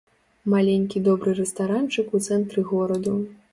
Маленькі добры рэстаранчык у цэнтры гораду.